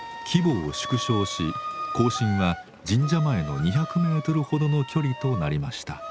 規模を縮小し行進は神社前の２００メートルほどの距離となりました。